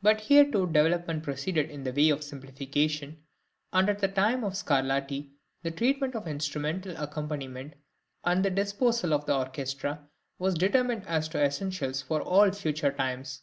But here too development proceeded in the way of simplification, and at the time of Scarlatti the treatment of instrumental accompaniment and the disposal of the orchestra was determined as to essentials for all future times.